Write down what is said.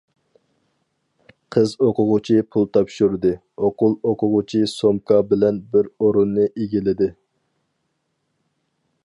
قىز ئوقۇغۇچى پۇل تاپشۇردى، ئوغۇل ئوقۇغۇچى سومكا بىلەن بىر ئورۇننى ئىگىلىدى.